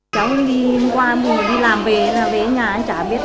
cháu đi qua mùa đi làm về về nhà chả biết